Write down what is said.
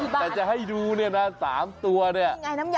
แต่จะให้ดูเนี่ยนะ๓ตัวเนี่ย